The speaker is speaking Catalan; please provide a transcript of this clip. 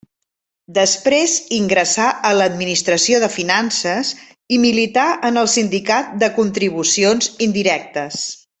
Després ingressà a l'administració de finances i milità en el Sindicat de Contribucions Indirectes.